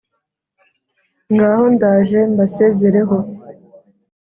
Ngaho ndaje mbasezereho.